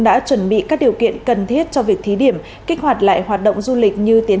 đã chuẩn bị các điều kiện cần thiết cho việc thí điểm kích hoạt lại hoạt động du lịch như tiến